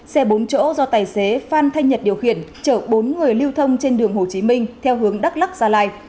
xe bốn chỗ do tài xế phan thanh nhật điều khiển chở bốn người lưu thông trên đường hồ chí minh theo hướng đắk lắc gia lai